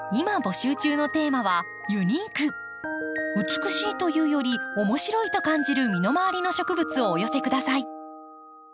美しいというより面白いと感じる身の回りの植物をお寄せ下さい。